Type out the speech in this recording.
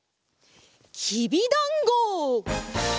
きびだんご！